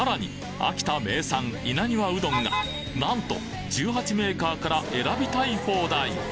秋田名産稲庭うどんがなんと１８メーカーから選びたい放題！